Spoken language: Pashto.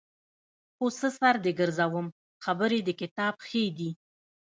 خو څه سر دې ګرځوم خبرې د کتاب ښې دي.